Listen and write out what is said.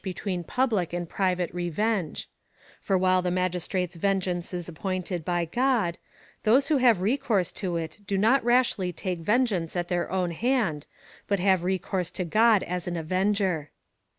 between public and private revenge ; for wliile the magis trate's vengeance is appointed bj God, those who have re course to it do not rashly take vengeance at their own hand, but have recourse to God as an Avenger.